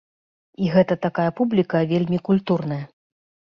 І гэта такая публіка вельмі культурная.